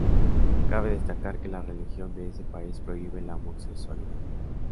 Cabe destacar que la religión de ese país prohíbe la homosexualidad.